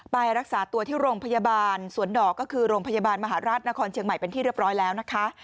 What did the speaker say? ไปรักษาตัวที่โรงพยาบาลสวนดอกก็คือโรงพยาบาลมหาราชนครเชียงใหม่เป็นที่เรียบร้อยแล้วนะคะ